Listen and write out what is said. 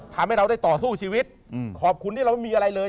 ทำให้เราได้ต่อสู้ชีวิตขอบคุณที่เราไม่มีอะไรเลย